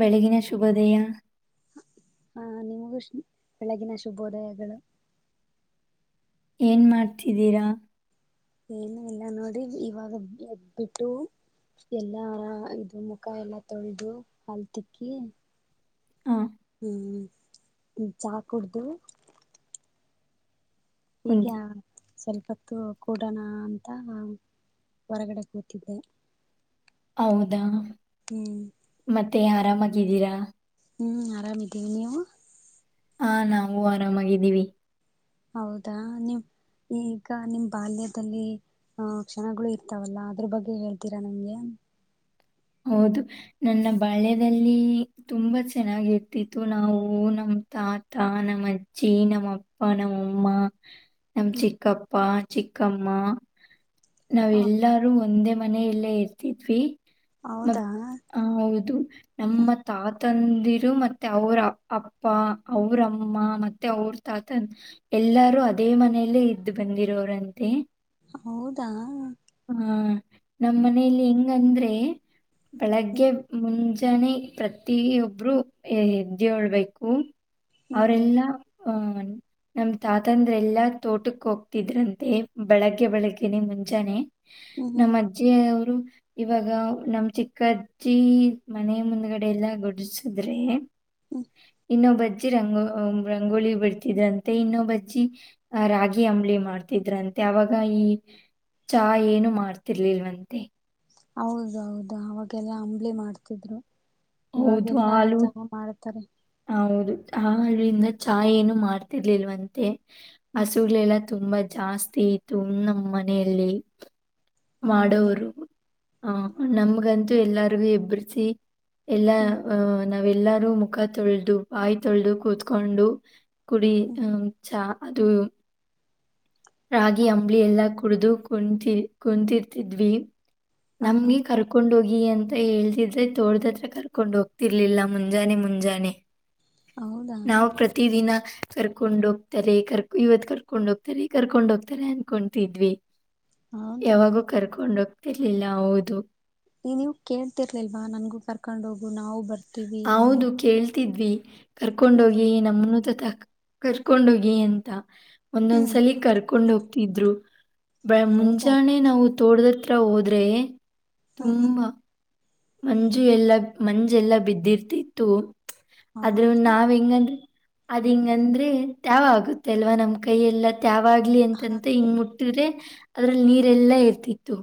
ಬೆಳಗಿನ ಶುಭೋದಯ. ಹ ನಿಮಗೂ ಬೆಳಗಿನ ಶುಭೋದಯಗಳು. ಏನ ಮಾಡ್ತಿದ್ದೀರಾ. ಏನು ಇಲ್ಲ ನೋಡಿ ಇವಾಗ ಎದ್ಬಿಟ್ಟು, ಎಲ್ಲಾರ ಇದು ಮುಖ ಎಲ್ಲಾ ತೊಳೆದು, ಹಲ್ ತಿಕ್ಕಿ, ಹಾ, ಹ್ಮ್ ಚಾ ಕುಡ್ದು. ಈಗ, ಕುಂತ್ ಸ್ವಲ್ಪತ್ತು ಕೂಡಣ ಅಂತ ಹೊರಗಡೆ ಕೂತಿದ್ದೆ. ಹೌದಾ ಹ್ಮ್ ಮತ್ತೆ ಆರಾಮಾಗಿದ್ದೀರಾ ಹ್ಮ್ ಆರಾಮಿದ್ದೀವಿ ನೀವು ಹಾ ನಾವು ಆರಾಮಾಗಿದ್ದೀವಿ ಹೌದಾ ನೀವು ಈಗ ನಿಮ್ಮ್ ಬಾಲ್ಯದಲ್ಲಿ ಹ ಕ್ಷಣಗಳು ಇರ್ತಾವಲ್ಲಾ ಅದ್ರ ಬಗ್ಗೆ ಹೇಳ್ತೀರಾ ನಂಗೆ ಹೌದು ನನ್ನ ಬಾಳ್ಯದಲ್ಲಿ ತುಂಬಾ ಚೆನ್ನಾಗಿರ್ತಿತ್ತು ನಾವು ನಮ್ಮ ತಾತ ನಮ್ಮ ಅಜ್ಜಿ ನಮ್ಮಪ್ಪ ನಮ್ಮಪ್ಪ ನಮ್ಮಮ್ಮ ನಮ ಚಿಕ್ಕಪ್ಪ ಚಿಕ್ಕಮ್ಮ ನಾವ ಎಲ್ಲಾರು ಒಂದೇ ಮನೆಯಲ್ಲೇ ಇರ್ತಿದ್ವಿ ಮ ಹೌದಾ ಹೌದು ನಮ್ಮ ತಾತಂದಿರು ಮತ್ತೆ ಅವ್ರ ಅಪ್ಪ ಅವ್ರಮ್ಮ ಮತ್ತೆ ಅವ್ರ ತಾತನ್ ಎಲ್ಲಾರೂ ಅದೇ ಮನೆಯಲ್ಲೇ ಇದ್ದು ಬಂದಿರೋರಂತೆ ಹೌದಾ ಹಾ ನಮ್ಮ ಹ್ಮ್ ಮನೇಲಿ ಹೆಂಗಂದ್ರೆ ಬೆಳಗ್ಗೆ ಮುಂಜಾನೆ ಪ್ರ ಪ್ರತಿ ಒಬ್ರು ಎದ್ದಳ್ಬೇಕು ಹ್ಮ್ ಹ್ಮ್ ಅವರೆಲ್ಲಾ ಅಹ್ ನಮ್ಮ ತಾತ ಅಂದ್ರೆಲ್ಲ ತೋಟಕ್ಕೆ ಹೋಗ್ತಿದ್ರಂತೆ ಬೆಳಗ್ಗೆ ಬೆಳಗ್ಗೆನೆ ಮುಂಜಾನೆ ಹ್ಮ್ ಹ್ಮ್ ನಮ್ಮ ಅಜ್ಜಿಯವರು ಇವಾಗ ನಮ್ಮ ಚಿಕ್ಕಜ್ಜಿ ಮನೆ ಮುಂದ್ಗಡೆ ಎಲ್ಲ ಗುಡಸಿದ್ರೆ ಹ್ಮ್ ಇನ್ನೊಬ್ಬಜ್ಜಿ ರಂಗೋ ರಂಗೋಲಿ ಬಿಡ್ತಿದ್ರಂತೆ ಇನ್ನೊಬ್ಬಜ್ಜಿ ಆ ರಾಗಿ ಅಂಬಲಿ ಮಾಡ್ತಿದ್ರಂತೆ ಅವಾಗ ಈ ಚಾ ಏನು ಮಾಡ್ತಿರ್ಲಿಲ್ವಂತೆ ಹೌದೌದು ಅವಾಗೆಲ್ಲಾ ಅಂಬ್ಲಿ ಮಾಡ್ತಿದ್ರು ಹೌದು ಇವಾಗೆಲ್ಲಾ ಹಾಲೂ ಚಹಾ ಮಾಡ್ತಾರೆ ಹಲು ಆಲ್ಲಿಂದ ಚಾ ಏನು ಮಾಡ್ತಿರ್ಲಿಲ್ವಂತೆ ಹ್ಮ್ ಹಸುಗಳೆಲ್ಲ ತುಂಬಾ ಜಾಸ್ತಿ ಇತ್ತು ನಮ್ಮ ಮನೆಯಲ್ಲಿ ಹೌದು ಮಾಡೋರು ಹ ನಮ್ಗಂತೂ ಎಲ್ಲರಿಗು ಎಬ್ಬ್ರಸಿ ಎಲ್ಲಾ ಹ್ಮ್ ಅಹ ನಾವೆಲ್ಲಾರೂ ಮುಖ ತೊಳೆದು ಬಾಯಿ ತೊಳೆದು ಕೂತ್ಕೊಂಡು ಕುಡಿ ಹ್ಮ್ ಹ ಚಾ ಅದು ರಾಗಿ ಹೌದು ಅಂಬಲಿ ಎಲ್ಲಾ ಕುಡಿದು ಕುಂತ ಕುಂತರ್ತಿದ್ವಿ ಹ ಹಾ ನಮ್ಗೆ ಕರ್ ಕರ್ಕೊಂಡ ಹೋಗಿ ಅಂತ ಹೇಳ್ತಿದ್ರೆ ತೋಟದತ್ರ ಕರ್ಕೊಂಡ್ ಹೋಗ್ತಿರ್ಲಿಲ್ಲ ಮುಂಜಾನೆ ಮುಂಜಾನೆ ಹೌದಾ ನಾವವು ಪ್ರತಿ ದಿನ ಕರ್ಕೊಂಡ ಹೋಗ್ತಾರೆ ಕರ್ ಇವತ್ ಕರ್ಕೊಂಡ್ ಹೋಗ್ತಾರೆ ಕರ್ಕೊಂಡ ಹೋಗ್ತಾರೆ ಅನ್ಕೊತಿದ್ವಿ ಹೌದಾ ಯಾವಾಗೂ ಕರ್ಕೊಂಡ ಹೋಗ್ ಇರ್ಲಿಲ್ಲ ಹೌದು ಈ ನೀವು ಕೇಳ್ತಿರ್ಲಿಲ್ವಾ ನನ್ಗೂ ಕರ್ಕೊಂಡ್ ಹೋಗು ನಾವು ಬರ್ತವಿ ಹೌದು ಕೇಳ್ತಿದ್ವಿ ಹ್ಮ್ ಕರ್ಕೊಂಡೋಗಿ ನಮನು ತಕ್ ಕರ್ಕೊಂಡೋಗಿ ಅಂತ ಹ್ಮ್ ಒಂದೊಂದ್ಸಲಿ ಕರ್ಕೊಂಡ ಹೋಗ್ತಿದ್ರು ಬಳ ಹೌದಾ ಮುಂಜಾನೆ ನಾವು ತೋಟದತ್ರ ಹೋದ್ರೆ ಹಾ ಹಾ ತುಂಬ ಮಂಜು ಎಲ್ಲಾ ಮಂಜ ಎಲ್ಲಾ ಬಿದ್ದಿರ್ತಿತ್ತು ಅದ್ರ ಹೌದು ನಾವ್ ಹೆಂಗಂದ್ರೆ ಅದ ಹಿಂಗಂದ್ರೆ ತ್ಯಾವ ಆಗುತ್ತೆ ಅಲ್ವಾ ನಮ್ ಕೈ ಎಲ್ಲಾ ತ್ಯಾವಾಗಿ ಹ ಅಂತಂತ ಹಿಂಗ ಮುಟ್ಟಿದ್ರೆ ಅದ್ರಲ್ಲಿ ನೀರೆಲ್ಲಾ ಇರ್ತಿತ್ತು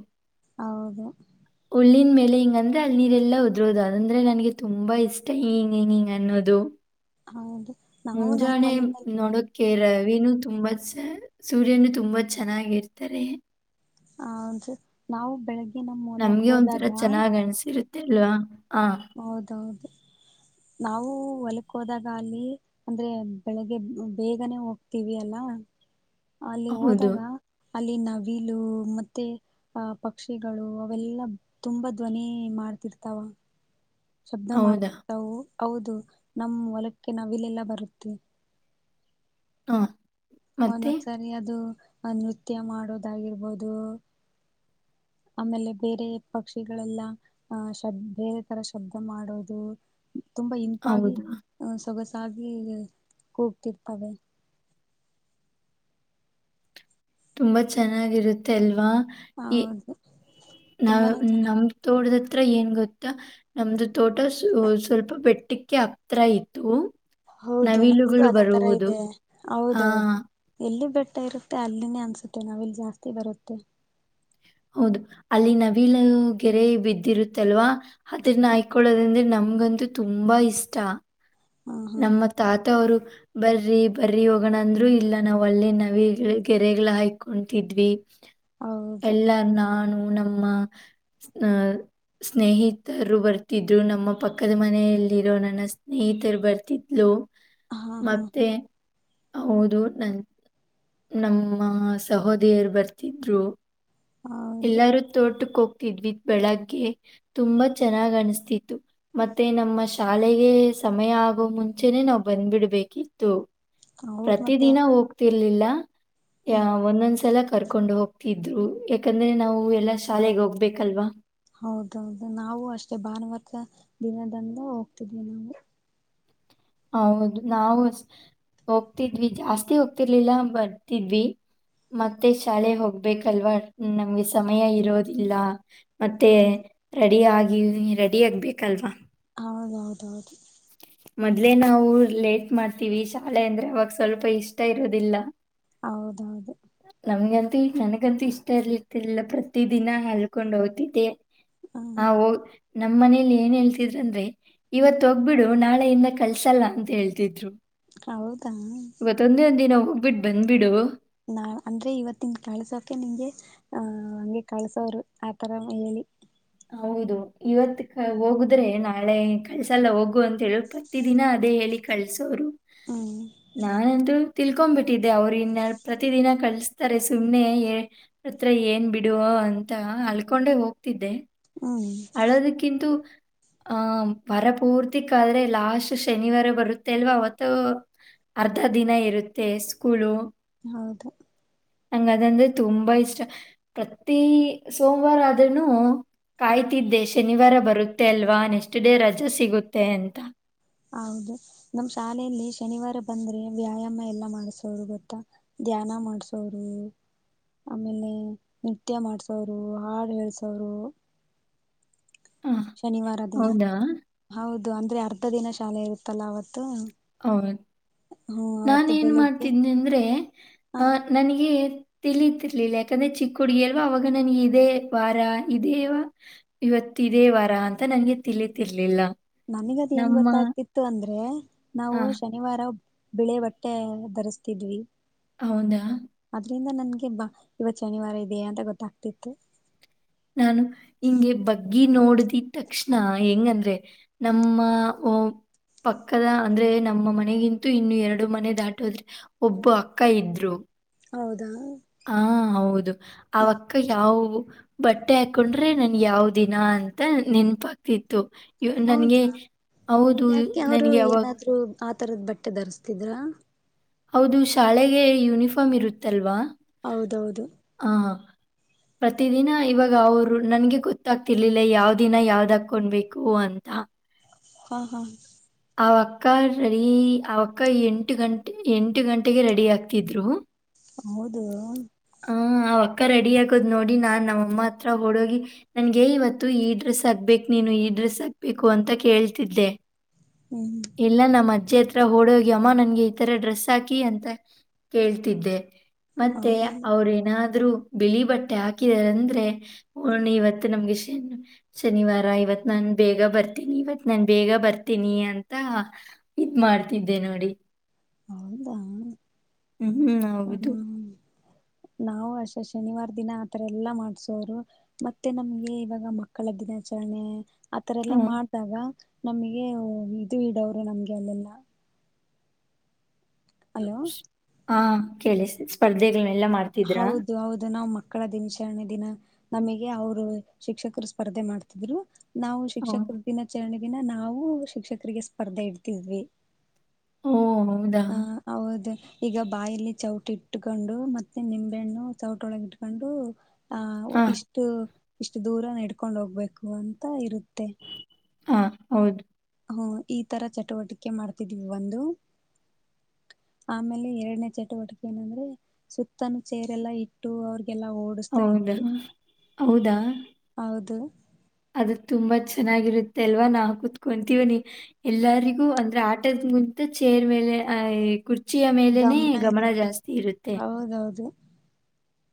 ಹೌದು ಉಳ್ಳನ್ ಮೇಲೆ ಹಿಂಗ ಅಂದ್ರೆ ಅಲ್ಲಿ ನೀರೆಲ್ಲಾ ಉದುರೋದು ಅದಂದ್ರೆ ನನಗೆ ತುಂಬಾ ಇಷ್ಟ ಹಂಗ ಹಿಂಗ ಹಿಂಗ ಅನ್ನೋದು ಹೌದು ನಾವು ನಮ್ಮ ಮುಂಜಾಣೆ ಹೊಲದಲ್ಲಿ ನೋಡದ ಕೆೇರವಿನ ತುಂಬಾ ಸೂರ್ಯನು ತುಂಬಾ ಚೆನ್ನಾಗಿರ್ತಾರೆ. ಹಸ ನಾವು ಬೆಳಗ್ಗೆ ನಮ್ಮ ಹೊಲಕ್ ಹೋದಾಗ ಗಣಿಸಿರುತ್ತೆ. ಲ್ಲ ಹೌದೌಹೌದು ನಾವು ಹೊಲಕ್ ಹೋದಾಗ ಅಲ್ಲಿ. ಅಂದ್ರೆ ಬೆಳಿಗ್ಗೆ ಬೇಗನೆ ಹೋಗ್ತೀವಿ ಅಲ್ಲ ಅಲ್ಲಿ ಹೌದು ಹೋದಾಗ ಅಲ್ಲಿ ನವಿಲು ಮತ್ತೆ ಆ ಪಕ್ಷಿಗಳು ಅವೆಲ್ಲಾ ತುಂಬಾ ಧ್ವನಿ ಮಾಡ್ತಿರ್ತಾವ ಶಬ್ದ ಹೌದಾ ಮಾಡ್ತಿತವು ಹೌದು ನಮ್ ಹೊಲಕ್ಕೆ ನವಿಲಲ್ಲೆಲ್ಲಾ ಬರುತ್ತೆ. ಹಾ ಮತ್ತೆ ಒಂದೊಂದ್ಸರಿ ಅದು ನೃತ್ಯ ಮಾಡೋದಾಗಿರ್ಬೋದು ಆಮೇಲೆ ಬೇರೆ ಪಕ್ಷಿಗಳೆಲ್ಲ. ಆಹ ಶ ಬೇರೆ ತರ ಶಬ್ದ ಮಾಡೋದು. ತುಂಬಾ ಇಂಪಾಗಿ ಹೌದು ಅಹ ಸೊಗಸಾಗಿ ಕೂಗ್ತಿರ್ತವೆ. ತುಂಬಾ ಚೆನ್ನಾಗಿರುತ್ತೆ ಅಲ್ವಾ ಈ ಹೌದು ನ್ ತುಂಬಾನೇ ನಮ ಚೆನ್ನಾಗಿರುತ್ತೆ ತೋಟದ ಹತ್ರ ಏನು ಗೊತ್ತಾ. ನಮ್ದು ತೋಟ ಸ್ವಲ್ಪ ಬೆಟ್ಟಕ್ಕೆ ಹತ್ರ ಇತ್ತು. ಹೌದು ನಮ್ದು ನವಿಲುಗಳು ಅದೇ ತರ ಬರುವುದು ಇದೆ ಆ ಹೌದೌಹೌದು. ಎಲ್ಲಿ ಬೆಟ್ಟ ಇರುತ್ತೆ ಅಲ್ಲಿನೇ ಅನ್ಸುತ್ತೆ ನಾವ ಇಲ್ಲಿ ಜಾಸ್ತಿ ಬರುತ್ತೆ. ಹೌದು ಅಲ್ಲಿ ನವಿಲು ಗೆರೆ ಬಿದ್ದಿರುತ್ತಲ್ವಾ. ಅದ್ರನ್ನ ಹ ಹಯಕೊಳ್ಳೋದಂದ್ರೆ ನಮ್ಗಂತೂ ತುಂಬ ಇಷ್ಟ. ಹಾ ಹಾ ನಮ್ಮ ಹಾ ತಾತ ಅವ್ರು ಬರ್ರಿ ಬರ್ರಿ ಹೋಗೋಣ ಅಂದ್ರು ಇಲ್ಲ ನಾವು ಅಲ್ಲೇ ನವಿಲ ಗೆರೆಗಳ ಹಾಕೊತಿದ್ವಿ. ಹೌದು ಎಲ್ಲಾರ ನಾನು ನಮ್ಮ ಅ ಸ್ನೇಹಿತರು ಬರ್ತಿದ್ರು ನಮ್ಮ ಪಕ್ಕದ ಮನೆಯಲ್ಲಿರೋ ನನ್ನ ಸ್ನೇಹಿತರು ಬರ್ ಲೋ ಹಾ ಹಾ ಮತ್ತೆ ಹೌದು ನನ್ ನಮ್ಮ ಸಹೋದಿಯರ ಬರ್ತಿದ್ರು ಹೌದು ಎಲ್ಲಾರೂ ತೋಟಕ್ಕೆ ಹೋಗ್ತಿದ್ವಿ ಬೆಳಗ್ಗೆ ತುಂಬಾ ಚೆನ್ನಾಗ್ ಅನ್ಸ್ತಿತ್ತು. ಮತ್ತೆ ನಮ್ಮ ಶಾಲೆಗೆ ಸಮಯ ಆಗೋ ಮುಂಚೆನೆ ನಾವ್ ಬಂದ ಬಿಡಬೇಕಿತ್ತು. ಹೌದು ಮತ್ತೆ ಪ್ರತಿದಿನ ಹೋಗ್ತಿರ್ಲಿಲ್ಲ ಹ್ಮ್ ಒಂದೊಂದ್ಸಲ ಕರ್ಕೊಂಡು ಹೋಗ್ತಿದ್ರು ಯಾಕಂದ್ರೆ ನಾವು ಎಲ್ಲಾ ಶಾಲೆಗೆ ಹೋಗ್ಬೇಕಲ್ವಾ. ಹೌದೌಹೌದು ನಾವು ಅಷ್ಟೇ ಭಾನುವಾರ ದಿನದಿಂದ ಹೋಗ್ತಿದ್ವಿ ನಾವು ಹೌದು ನಾವು ಹೋಗ್ತಿದ್ವಿ ಜಾಸ್ತಿ ಹೋಗ್ತಿರ್ಲಿಲ್ಲ ಬರ್ತಿದ್ವಿ. ಮತ್ತೆ ಶಾಲೆ ಹೋಗ್ಬೇಕಲ್ವಾ ನಮ್ಗೆ ಸಮಯ ಇರೋದಿಲ್ಲ. ಮತ್ತೆ ಹೌದು ರೆಡಿ ಆಗಿ ರೆಡಿ ಆಗ್ಬೇಕಲ್ವಾ. ಹೌದೌಹೌದ ಹೌದು ಮೊದ್ಲೇ ನಾವು ಲೇಟ್ ಮಾಡ್ತೀವಿ ಶಾಲೆ ಅಂದ್ರೆ ಅವಾಗ ಸ್ವಲ್ಪ ಇಷ್ಟ ಇರೋದಿಲ್ಲ. ಹೌದೌಹೌದು ನಮ್ಗಂತೂ ನನಗಂತೂ ಇಷ್ಟ ಇರ್ಲಿರ್ತಿಲ್ಲ ಪ್ರತಿ ದಿನ ಹಲ್ಕೊಂಡ್ ಹೋಗ್ತಿದ್ದೆ. ಹ ಹ ನಮ್ ಮನೇಲಿ ಏನ್ ಹೇಳ್ತಿದ್ರ ಅಂದ್ರೆ ಇವತ್ ಹೋಗ್ಬಿಡು. ನಾಳೆಯಿಂದ ಕಳ್ಸಲ್ಲ ಅಂತ ಹೇಳ್ತಿದ್ರು. ಹೌದಾ ಇವತ್ತೊಂದೇ ಒಂದ ದಿನ ಹೋಗ್ಬಿಟ್ಟು ಬಂದ್ಬಿಡು. ನಾ ಅಂದ್ರೆ ಇವತ್ತಿನ ಕಳ್ಸೋಕೆ ನಿಂಗೆ ಆಹ ಹಂಗೆ ಕಳ್ಸೋರು ಆತರ ಹೇಳಿ ಹೌದು ಇವತ್ ಹೋಗುದ್ರೆ ನಾಳೆ ಕಳ್ಸಲ್ಲ ಹೋಗು ಅಂತ ಹೇಳ್ತ ಪ್ರತಿದಿನ ಅದೇ ಹೇಳಿ ಕಳ್ಸೋರು ಹಾ ನಾನಂತೂ ತಿಳ್ಕೊಬಿಟ್ಟಿದ್ದೆ ಅವ್ರು ಇನ್ನ ಪ್ರತಿ ದಿನ ಕಳಿಸತಾರೆ ಸುಮ್ನೆ ಎ ಹತ್ರ ಏನ್ ಬಿಡು ಅಂತ ಅಲ್ಕೊಂಡೆ ಹೋಗ್ತಿದ್ದೆ ಹ್ಮ್ ಅಳೋದು ಕಿಂತೂ ಆಹ ವರ ಪೂರ್ತಿಕ್ ಆದ್ರೆ ಲಾಸ್ಟ್ ಶನಿವಾರ ಬರುತ್ತೆ ಅಲ್ವಾ ಅವತ್ತು ಅರ್ಧ ದಿನ ಇರುತ್ತೆ ಸ್ಕೂಲು ಹೌದು ನಂಗ ಅದಂದ್ರೆ ತುಂಬಾ ಇಷ್ಟಾ ಪ್ರತಿ ಸೋಮವಾರ ಆದ್ರುನು ಕಾಯ್ತಿದ್ದೆ ಶನಿವಾರ ಬರುತ್ತೆ ಅಲ್ವಾ ನೆಕಷ್ಟ ಡೇ ರಜೆ ಸಿಗುತ್ತೆ ಅಂತ ಹೌದು ನಮ ಶಾಲೆಯಲ್ಲಿ ಶನಿವಾರ ಬಂದ್ರೆ ವ್ಯಾಯಾಮ ಎಲ್ಲಾ ಮಾಡ್ಸೋದು ಗೊತ್ತಾ ಧ್ಯಾನ ಮಾಡ್ಸೋರು ಆಮೇಲೆ ನೃತ್ಯ ಮಾಡ್ಸೋರು ಹಾಡು ಹೇಳ್ಸೋರು ಆ, ಶನಿವಾರ ದಿನ ಹೌದಾ? ಹೌದು ಅಂದ್ರೆ ಅರ್ಧ ದಿನ ಶಾಲೆ ಇರುತ್ತಲ್ಲ ಅವತ್ತು ಹೌ ಹ್ಮ ನಾನ ಅವತ್ತು ಏನ್ ಬೆಳಿಗ್ಗೆ ಮಾಡ್ತಿದ್ದನಿ ಅಂದ್ರೆ ಹ ಅಹ ನನಗೆ ತಿಳತಿರ್ಲಿಲ್ಲ ಯಾಕಂದ್ರೆ ಚಿಕ್ಕ ಹುಡುಗಿ ಅಲ್ವಾ ಅವಾಗ ನನ್ಗೆ ಇದೇ ವಾರ ಇದೇವ ಇವತ್ತ ಇದೇ ವಾರ ಅಂತ ನಂಗೆ ತಿಳತಿರ್ಲಿಲ್ಲ ನನ್ ಗದ್ ಹೆಂಗ್ ಗೊತ್ತಾಗ್ತಿತ್ತು ಅಂದ್ರೆ ನಾವು ಆ, ಶನಿವಾರಬ ಬಿಳೆ ಬಟ್ಟೆ ಧರಿಸಸ್ತಿದ್ವಿ ಹೌದಾ ಅದ್ರಿಂದ ನನ್ಗೆ ಬಾ ಇವತ್ ಶನಿವಾರ ಇದೆ ಅಂತ ಗೊತ್ತಾಗ್ತಿತ್ತು ನಾನು ಹಿಂಗೆ ಬಗ್ಗಿ ನೋಡ್ದ ತಕ್ಷಣ ಹೆಂಗಂದ್ರೆ ನಮ್ಮ ಓ ಪಕ್ಕದ ಅಂದ್ರೆ ನಮ್ಮ ಮನೆಗಿಂತೂ ಇನ್ನು ಎರಡು ಮನೆ ದಾಟಿ ಹೋದ ಒಬ್ಬ ಅಕ್ಕಾ ಇದ್ರು ಹೌದಾ ಹಾ ಹೌದು ಹ್ಮ್ ಅವಕ್ಕ ಯಾವ ಬಟ್ಟೆ ಹಾಕೊಂಡ್ರೆ ನನಗ ಯಾವ ದಿನ ಅಂತ ನೆನಪ ಆಗತ್ತಿತ್ತು ನನ್ಗೆ ಹೌದಾ ಹೌದು ಯಾಕೆ ಅವರು ನನ್ಗೆ ಅವಾಗ ಏನಾದ್ರು ಆ ತರದ್ ಬಟ್ಟೆ ಧರಿಸ್ತಿದ್ರಾ ಹೌದು ಶಾಲೆಗೆ ಯೂನಿಫಾರ್ಮ್ ಇರುತ್ತಲ್ವಾ ಹೌದೌದು ಹಾ ಹ ಪ್ರತಿದಿನ ಇವಾಗ ಅವರು ನನ್ಗೆ ಗೊತ್ತಾಗ್ತಿರ್ಲಿಲ್ಲ ಯಾವ ದಿನ ಯಾವ್ದ ಹಾಕೊಂಡಬೇಕು ಅಂತಾ ಹಾ ಹಾ ಅವಕ್ಕ ರೆಡಿ ಅವಕ್ಕ ಎಂಟು ಗಂಟೆ ಎಂಟು ಗಂಟೆಗೆ ರೆಡಿ ಆಗ್ತಿದ್ರು ಹೌದು ಹ ಆ ಅಕ್ಕಾ ರೆಡಿ ಆಗೋದ್ ನೋಡಿ ನಾನ್ ನಮ್ಮಮ್ಮ ಹತ್ರ ಹೊ ಓಡೋಗಿ ನನ್ಗೆ ಇವತ್ತು ಈ ಡ್ರೆಸ್ ಹಾಕ್ಬೇಕ್ ನೀನು ಈ ಡ್ರೆಸ್ ಹಾಕ್ಬೇಕು ಅಂತ ಕೇಳ್ತಿದ್ದೆ ಹ್ಮ್ ಇಲ್ಲಾ ನಮ್ಮ ಅಜ್ಜಿ ಹತ್ರ ಓಡ ಹೋಗಿ ಅಮ್ಮ ನನ್ಗೆ ಈ ತರ ಡ್ರೆಸ್ ಹಾಕಿ ಅಂತ ಕೇಳ್ತಿದ್ದೆ ಮತ್ತೆ ಹೌದು ಅವ್ರ ಏನಾದ್ರು ಬಿಳಿ ಬಟ್ಟೆ ಹಾಕಿದಾರಂದ್ರೆ ಓ ಇವತ್ತು ನಮ್ಗೆ ಶನಿ ಶನಿವಾರ ಇವತ್ ನಾನ್ ಬೇಗ ಬರ್ತೀನಿ ಇವತ್ ನಾನ್ ಬೇಗ ಬರ್ತೀನಿ ಅಂತ ಇದ್ ಮಾಡ್ತಿದ್ದೆ ನೋಡಿ ಹೌದಾ ಹ್ಮ್ ಹ್ಮ ಹೌದು ನಾವು ಅಸ ಶನಿವಾರ ದಿನ ಆತರ ಎಲ್ಲಾ ಮಾಡ್ಸೋರು ಮತ್ತೆ ನಮ್ಗೆ ಇವಾಗ ಮಕ್ಕಳ ದಿನಾಚರಣೆ ಆತರ ಎಲ್ಲಾ ಹ್ಮ್ ಮಾಡ್ದಾಗ ನಮಗೆ ಇದು ಇಡವರು ನಮ್ಗೆ ಅಲ್ಲೆಲ್ಲ ಅಲೋ ಹಾ ಕೇಳ ಸ್ಪರ್ಧೆಗಳನೆೆಲ್ಲ ಮಾಡ್ತವಿ ಹೌದು ಹೌದು ನಮ್ಮಕ್ಕ ಮಕ್ಕಳ ದಿನಚರಣೆ ದಿನ ನಮಗೆ ಅವರು ಶಿಕ್ಷಕರು ಸ್ಪರ್ಧೆ ಮಾಡ್ತಿದ್ರು ನಾವು ಹ. ಶಿಕ್ಷಕರ ದಿನಾಚರಣೆ ದಿನ ನಾವು ಶಿಕ್ಷಕರಿಗೆ ಸ್ಪರ್ಧೆ ಇಡ್ತಿದ್ವಿ ಓ ಹೌದ ಹ ಹೌದು ಈಗ ಬಾಯಲಿ ಚೌಟ ಇಟ್ಕೊಂಡು ಮತ್ತೆ ನಿಂಬೆಹಣ್ಣು ಚೌಟ್ ಒಳಗ ಇಟ್ಕೊಂಡು ಆಹ ಹಾ ಇಷ್ಟು ಇಷ್ಟು ದೂರನ ಇಡ್ಕೊಂಡ್ ಹೋಗ್ಬೇಕು ಅಂತ ಇರುತ್ತೆ ಹಾ ಹೌದು ಹ್ಮ ಈ ತರ ಚಟುವಟಿಕೆ ಮಾಡ್ತಿದೀವಿ ಒಂದು ಆಮೇಲೆ ಎರಡನೇ ಚಟುವಟಿಕೆ ಏನಂದ್ರೆ ಸುತ್ತಲೂ ಚೇರೆಲ್ಲಾ ಇಟ್ಟು ಅವ್ರಗೆಲ್ಲಾ ಓಡು ್ತಾ ಹೌದಾ ಇದ್ವಿ ಹೌದಾ ಹೌದು [unintelligible] ಅದು ತುಂಬಾ ಚೆನ್ನಾಗಿರುತ್ತೆ ಅಲ್ವಾ ನಾ ಕುೂತ್ಕೊತೀವನಿ ಎಲ್ಲಾರಿಗೂ ಅಂದ್ರೆ ಆಟದ ಮುಂತ ಚೇರ್ ಮೇಲೆ ಆಹ್ ಕುರ್ತಿ ಗಮನ ಇರುತ್ತೆ ಹೌದೌದು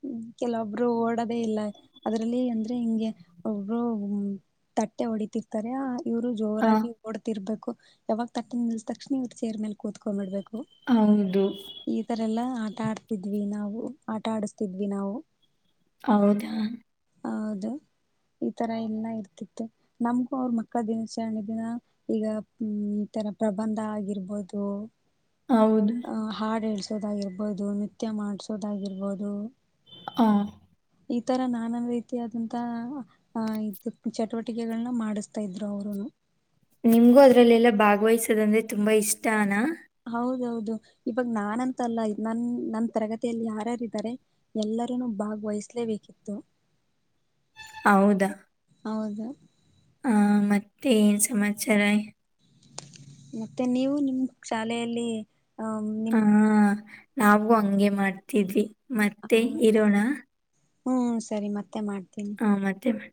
ಹ್ಮ್ ಕೆಲವೊಬ್ರು ಓಡದೇ ಇಲ್ಲ ಅದ್ರಲ್ಲಿ ಅಂದ್ರೆ ಹಿಂಗೆ ಒಬ್ರು ತಟ್ಟೆ ಹೊಡಿತಿರ್ತಾರೆ ಇವ್ರು ಆ ಜೋರಾಗಿ ಓಡ್ತಿರ್ಬೇಕು ಯಾವಾಗ ತಟ್ಟ ನಿಲ್ ತಕ್ಷಣ ಇವ್ರ ಚೇರ್ ಮೇಲೆ ಕೂತ್ಕೊಂಡಬಿಡ್ಬೇಕು ಹೌದು ಈ ತರ ಎಲ್ಲಾ ಆಟ ಆಡ್ತಿದ್ವಿ ನಾವು ಆಟ ಆಡಿಸತಿದ್ವಿ ನಾವು ಹೌದಾ ಹೌದು ಈ ತರ ಎಲ್ಲ ಇರ್ತಿತ್ತು ನಮ್ಗೂ ಅವರು ಮಕ್ಕಳ ದಿನಾಚರಣೆ ದಿನ ಈಗ ಈ ತರ ಪ್ರಬಂಧ ಆಗಿರ್ಬೋದು ಹೌದು ಹಾಡುಳ್ಸೋದಾಗಿಿರ್ಬಹದು ನೃತ್ಯ ಮಾಡ್ಸೋದಾಗಿರ್ಬಹದು ಹಾ ಈತರ ನಾನಾನ್ ರೀತಿಯಾದಂತ ಹ ಇದು ಚಟುವಟಿಕೆಗಳನ್ನ ಮಾಡಿಸ್ತಾ ಇದ್ರು ಅವರುನು ನಿಮ್ಗೂ ಅದ್ರಲ್ಲೆಲ್ಲಾ ಭಾಗ್ವಹಿಸೋದ ಅಂದ್ರೆ ತುಂಬಾ ಇಷ್ಟನಾ ಹೌದೌದು ಇವಾಗ ನಾನಂತಲ್ಲ ನನ್ ನನ್ ತರಗತಿಯಲ್ಲಿ ಯಾರ್ಯಾರಿದ್ದಾರೆ ಎಲ್ಲರೂನು ಭಾಗ್ವಹಿಸ್ಲೇಬೇಕಿತ್ತು ಹೌದಾ ಹೌದು ಹ ಮತ್ತೆ ಏನ್ ಸಮಾಚಾರ ಮತ್ತೆ ನೀವು ನಿಮ್ ಶಾಲೆಯಲ್ಲಿ ಅ ಹಾ ನಿಮ್ ನಾವು ಹಂಗೆ ಮಾಡ್ತಿದ್ವಿ ಮತ್ತೆ ಹದಾ ಇರೋಣ ಹ್ಮ್ ಸರಿ ಮತ್ತೆ ಮಾಡ್ತೀನಿ ಹಾ ಮತ್ತೆ ಮತ್ತೆ